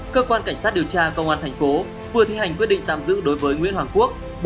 cơ quan cảnh sát điều tra công an thành phố vừa thi hành quyết định tạm giữ đối với nguyễn hoàng quốc